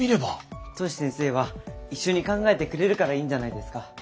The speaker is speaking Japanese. トシ先生は一緒に考えてくれるからいいんじゃないですか？